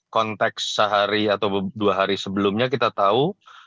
konteks sehari atau dua hari sebelumnya kita tahu